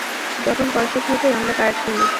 যখন পয়সা থাকে, আমরা কার্ড খেলি।